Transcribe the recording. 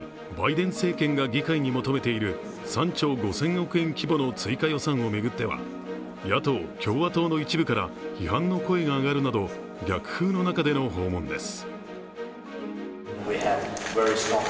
ウクライナ支援のためにバイデン政権が議会に求めている３兆５０００億円規模の追加予算を巡っては野党・共和党の一部から批判の声が上がるなど、逆風の中での訪問です。